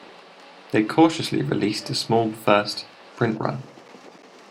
They cautiously released a small first print run.